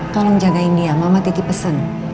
tolong jagain dia mama tiki pesen